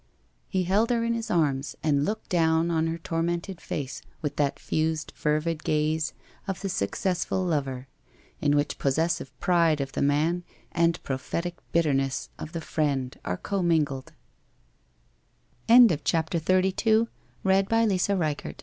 .' He held her in his arms and looked down on her tor mented face with that fused fervid gaze of the successful lover, in which possessive pride of the man and prophetic bitterness of the friend are comming